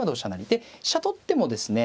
で飛車取ってもですね